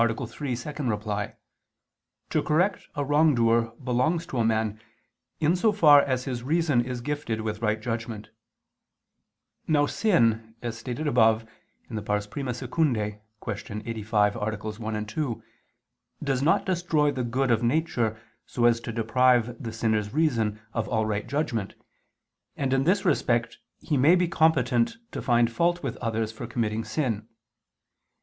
3, ad 2), to correct a wrongdoer belongs to a man, in so far as his reason is gifted with right judgment. Now sin, as stated above (I II, Q. 85, AA. 1, 2), does not destroy the good of nature so as to deprive the sinner's reason of all right judgment, and in this respect he may be competent to find fault with others for committing sin.